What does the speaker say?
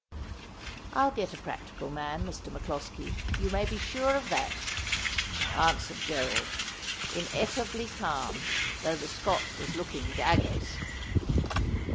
' I'll get a practical man, Mr. MacCloskie ; you may be sure of that,' answered Gerald, ineffably calm, though the Scot was looking daggers.